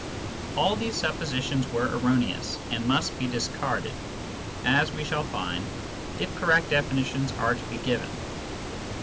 All these suppositions were erroneous, and must be discarded, as we shall find, if correct definitions are to be given.